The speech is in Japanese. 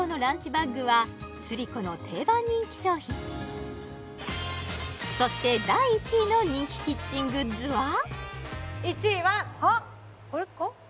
バッグはスリコの定番人気商品そして第１位の人気キッチングッズは１位はこれか？